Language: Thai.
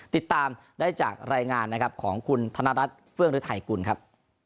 ติดตามได้จากรายงานนะครับของคุณธนรัฐเฟื่องฤทัยกุลครับ